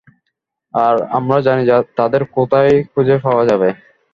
আর আমরা জানি তাদের কোথায় খুঁজে পাওয়া যাবে।